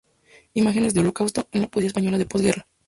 Imágenes del Holocausto en la poesía española de posguerra".